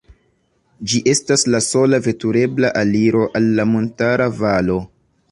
Ĝi estas la sola veturebla aliro al la montara valo.